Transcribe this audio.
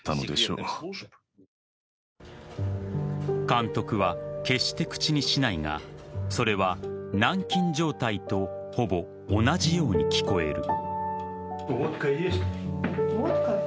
監督は、決して口にしないがそれは軟禁状態とほぼ同じように聞こえる。